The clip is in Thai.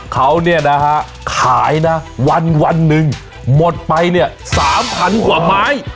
เขาเนี่ยนะฮะขายนะวันหนึ่งหมดไปเนี่ย๓๐๐กว่าไม้